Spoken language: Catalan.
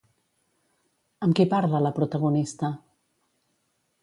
Amb qui parla la protagonista?